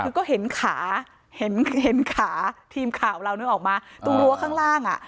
คือก็เห็นขาเห็นขาทีมข่าวเรานึกออกมาตรงรั้วข้างล่างอ่ะ